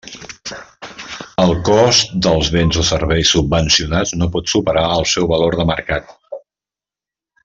El cost dels béns o serveis subvencionats no pot superar el seu valor de mercat.